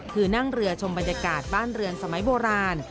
คือนั่งเรือชมบรรยากาศบ้านเรือนสมัยโบราณ